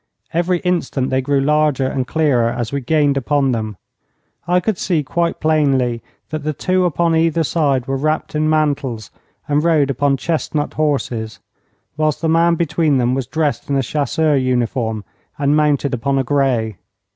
Every instant they grew larger and clearer as we gained upon them. I could see quite plainly that the two upon either side were wrapped in mantles and rode upon chestnut horses, whilst the man between them was dressed in a chasseur uniform and mounted upon a grey.